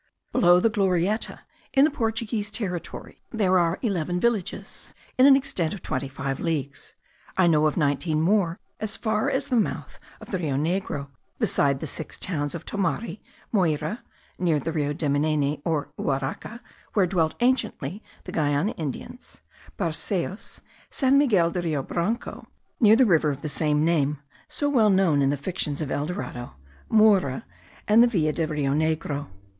Below the Glorieta, in the Portuguese territory, there are eleven villages in an extent of twenty five leagues. I know of nineteen more as far as the mouth of the Rio Negro, beside the six towns of Thomare, Moreira (near the Rio Demenene, or Uaraca, where dwelt anciently the Guiana Indians), Barcellos, San Miguel del Rio Branco, near the river of the same name (so well known in the fictions of El Dorado), Moura, and Villa de Rio Negro.